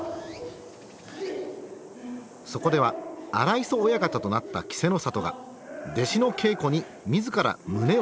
そこでは荒磯親方となった稀勢の里が弟子の稽古に自ら胸を貸していた。